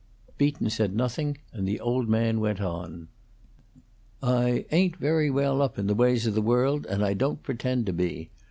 Beaton said nothing, and the old man went on. "I ain't very well up in the ways of the world, and I don't pretend to be.